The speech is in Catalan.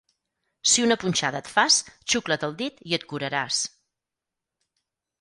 Si una punxada et fas, xucla't el dit i et curaràs.